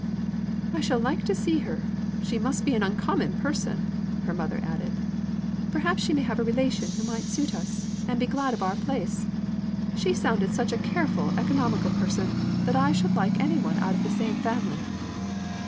"I shall like to see her. She must be an uncommon person," her mother added. "Perhaps she may have a relation who might suit us, and be glad of our place. She sounded to be such a careful economical person, that I should like any one out of the same family."